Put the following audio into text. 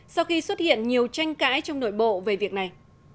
sau khi xuất hiện nhiều tranh cãi trong nội bộ về việc này